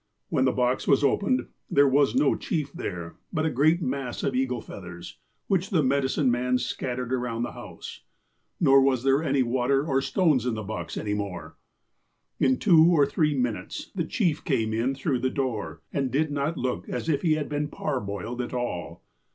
When the box was opened, there was no chief there, but a great mass of THE MEDICINE MEN 97 eagle's feathers, which the medicine man scattered around the house. Nor was there any water or stones in the box any more. In two or three minutes, the chief came in through the door, and did not look as if he had been parboiled at all.